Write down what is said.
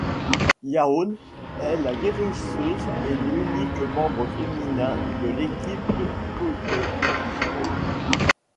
Yaone est la guérisseuse et l'unique membre féminin de l'équipe de Kogaiji.